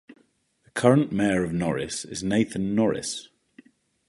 The current mayor of Norris is Nathan Norris.